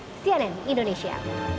sampai jumpa di indonesia